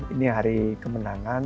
ini hari kemenangan